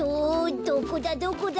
どこだどこだ！